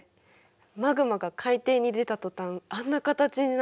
マグマが海底に出た途端あんな形になるなんて。